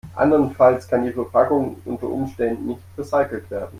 Andernfalls kann die Verpackung unter Umständen nicht recycelt werden.